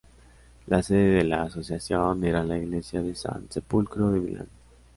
La sede del la asociación era la iglesia de San Sepulcro de Milán.